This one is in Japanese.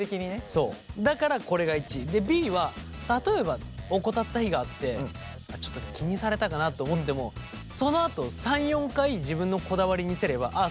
そうだからこれが１位。でＢは例えば怠った日があってちょっと気にされたかなと思ってもそのあと３４回自分のこだわり見せればあっ